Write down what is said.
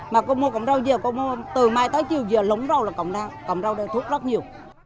mà cô mua cổng rau dừa cô mua từ mai tới chiều dừa lúng rau là cổng rau cổng rau đó thuốc rất nhiều